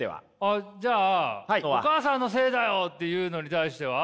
あっじゃあ「お母さんのせいだよ」って言うのに対しては？